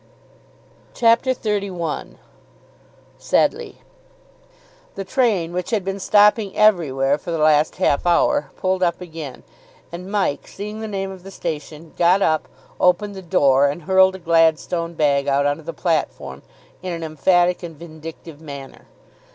CHAPTER XXXI SEDLEIGH The train, which had been stopping everywhere for the last half hour, pulled up again, and Mike, seeing the name of the station, got up, opened the door, and hurled a Gladstone bag out on to the platform in an emphatic and vindictive manner.